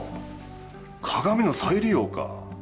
鏡の再利用か。